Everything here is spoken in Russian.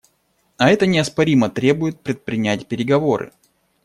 А это неоспоримо требует предпринять переговоры.